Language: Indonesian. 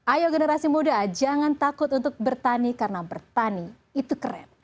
ayo generasi muda jangan takut untuk bertani karena bertani itu keren